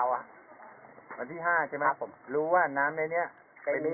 วันที่ห้านใช่ไหมครับผมรู้ว่าน้ำในนี้